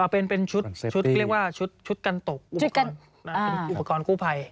เป็นชุดกันตกเป็นอุปกรณ์คู่ภัย